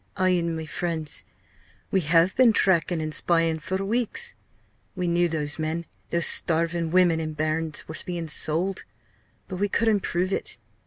I and my friends we have been trackin' and spyin' for weeks past. We knew those men, those starvin' women and bairns, were bein' sold, but we couldn't prove it.